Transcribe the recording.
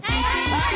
はい！